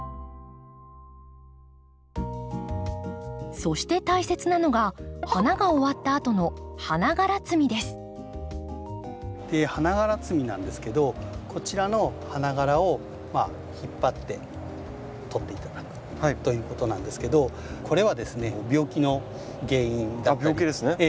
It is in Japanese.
そして大切なのが花が終わったあとの花がら摘みなんですけどこちらの花がらを引っ張って取って頂くということなんですけどこれはですね病気の原因だったりしますのでこれを取ります。